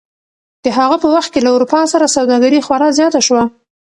د هغه په وخت کې له اروپا سره سوداګري خورا زیاته شوه.